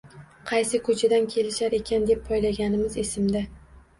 Qaysi koʻchadan kelishar ekan, deb poylaganimiz esimda.